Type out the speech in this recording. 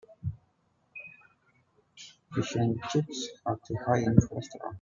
Fish and chips are too high in cholesterol.